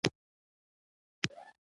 هغه وویل سهار به زموږ کور ته ځو.